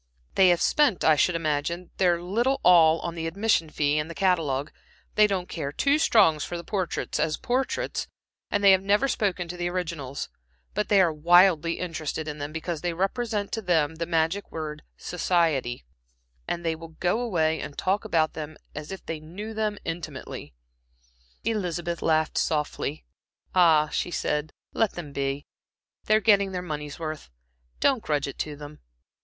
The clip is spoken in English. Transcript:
"They have spent, I should imagine, their little all on the admission fee and the catalogue; they don't care two straws for the portraits as portraits, and they have never spoken to the originals, but they are wildly interested in them because they represent to them the magic word 'society,' and they will go away and talk about them as if they knew them intimately." Elizabeth laughed softly. "Ah," she said "let them be. They're getting their money's worth; don't grudge it to them.